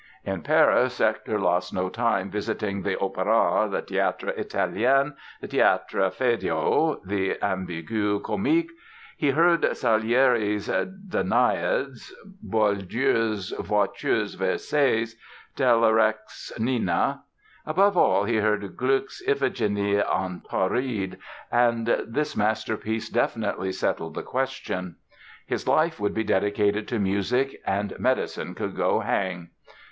In Paris Hector lost no time visiting the Opéra, the Théâtre Italien, the Théâtre Feydeau, the Ambigu Comique. He heard Salieri's "Danaides", Boieldieu's "Voitures Versées", Dalayrac's "Nina". Above all, he heard Gluck's "Iphigénie en Tauride", and this masterpiece definitely settled the question. His life would be dedicated to music and medicine could go hang!